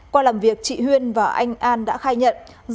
qua làm việc chị huyên và anh an đã khai nhận